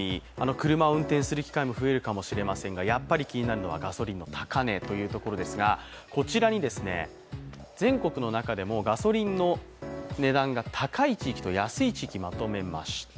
車を運転する機会も増えるかもしれませんがやっぱり気になるのはガソリンの高値というところですがこちらに全国の中でもガソリンの値段が高い地域と安い地域、まとめました。